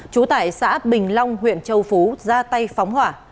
trú tại xã bình long huyện châu phú ra tay phóng hỏa